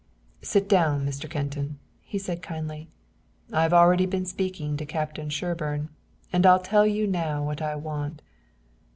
"Sit down, Mr. Kenton," he said kindly. "I've already been speaking to Captain Sherburne and I'll tell you now what I want.